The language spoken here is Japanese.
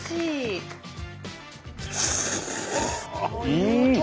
うん！